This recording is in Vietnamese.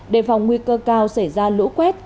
đề phòng nguy cơ cao xảy ra lũ quét